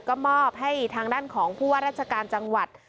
ก็มอบให้ทางด้านของผู้ว่าราชการจังหวัด